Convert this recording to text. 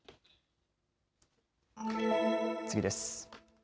次です。